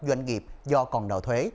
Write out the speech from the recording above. doanh nghiệp do còn nợ thuế